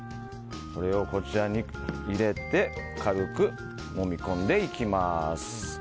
これを、こちらに入れて軽くもみ込んでいきます。